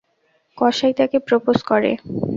কসাই তাকে প্রোপোজ করে।